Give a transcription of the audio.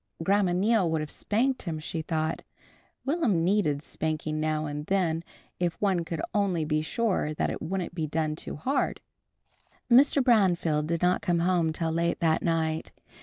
Grandma Neal would have spanked him she thought. Will'm needed spanking now and then if one could only be sure that it wouldn't be done too hard. Mr. Branfield did not come home till late that night.